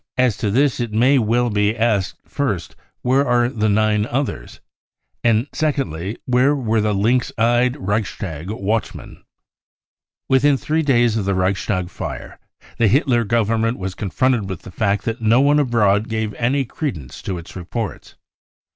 As to this it may well be asked, first, c where are the nine others ? 9 ; and second, 4 where were the lynx eyed Reichstag watchmen ? 5 55 Within three days of the Reichstag fire the Hitler Government was confronted with the fact that no one abroad gave any credence to its reports.